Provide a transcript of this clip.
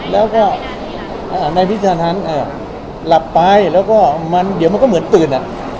แล้วก็ในพิจารณะนั้นหลับไปแล้วเดี๋ยวมันก็เหมือนตื่น